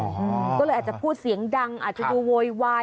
ก็เลยอาจจะพูดเสียงดังอาจจะดูโวยวาย